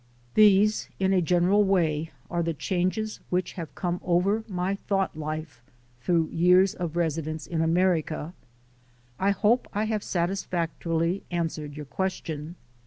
These, in a general way, are the changes which have come over my thought life through years of residence in America. I hope I have satisfactorily answered your question.